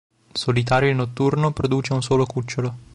Solitario e notturno, produce un solo cucciolo.